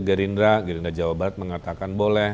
gerindra gerindra jawa barat mengatakan boleh